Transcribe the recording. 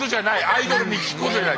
アイドルに聞くことじゃない。